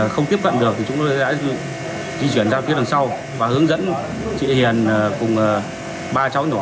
không tiếp cận được thì chúng tôi sẽ di chuyển ra phía đằng sau và hướng dẫn chị hiền cùng ba cháu nhỏ